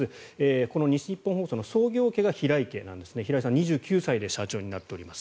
この西日本放送の創業家が平井家平井さん、２９歳で社長になっております。